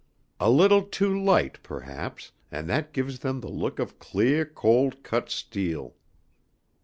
A little too light, perhaps, and that gives them the look of cleah cold cut steel.